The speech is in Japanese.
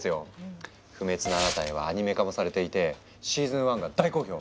「不滅のあなたへ」はアニメ化もされていてシーズン１が大好評！